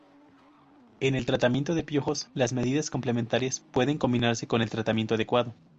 En el tratamiento de piojos, las medidas complementarias pueden combinarse con el tratamiento adecuado.